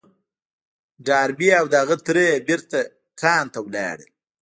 ډاربي او د هغه تره بېرته کان ته ولاړل.